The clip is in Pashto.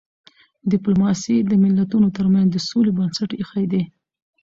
ډيپلوماسي د ملتونو ترمنځ د سولي بنسټ ایښی دی.